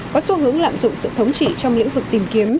có xu hướng lạm dụng sự thống trị trong lĩnh vực tìm kiếm